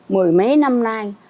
mười mấy năm nay